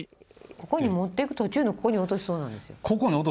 ここに持っていく途中のここに落としそうなんですよ。